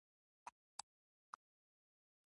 د افغانستان په جغرافیه کې کندهار ستر اهمیت لري.